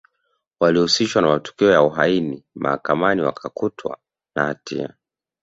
Walihusishwa na matukio ya uhaini Mahakamani wakakutwa na hatia